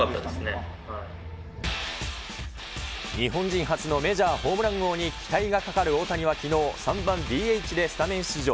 日本人初のメジャーホームラン王に期待がかかる大谷はきのう、３番ＤＨでスタメン出場。